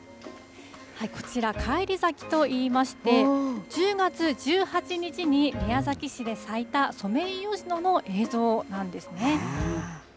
こちら、返り咲きと言いまして、１０月１８日に宮崎市で咲いた、ソメイヨシノの映像なんですね。